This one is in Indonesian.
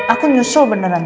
aku nyusul beneran mas